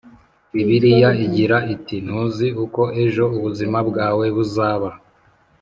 Bibiliya igira iti ntuzi uko ejo ubuzima bwawe buzaba